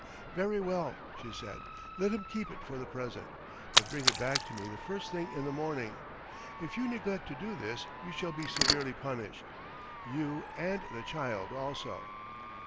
"Very well," she said. "Let him keep it for the present, but bring it back to me the first thing in the morning. If you neglect to do this you shall be severely punished, you and the child also."